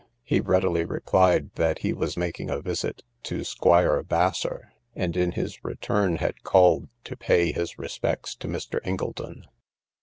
He readily replied, that he was making a visit to Squire Bassar, and in his return had called to pay his respects to Mr. Incledon.